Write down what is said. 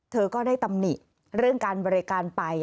เธอก็ได้ตำหนิเรื่องการบริการไป